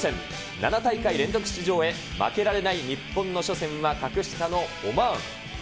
７大会連続出場へ、負けられない日本の初戦は格下のオマーン。